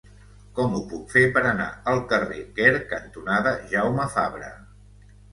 Com ho puc fer per anar al carrer Quer cantonada Jaume Fabre?